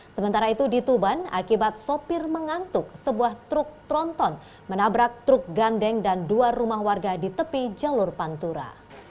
sementara itu di tuban akibat sopir mengantuk sebuah truk tronton menabrak truk gandeng dan dua rumah warga di tepi jalur pantura